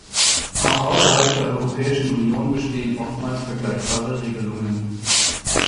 Auch außerhalb der Europäischen Union bestehen oftmals vergleichbare Regelungen.